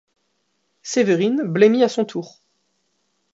Séverine blêmit à son tour.